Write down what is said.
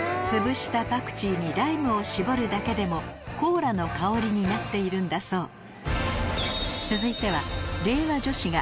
つぶしたパクチーにライムを搾るだけでもコーラの香りになっているんだそう